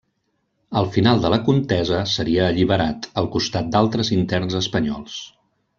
Al final de la contesa seria alliberat, al costat d'altres interns espanyols.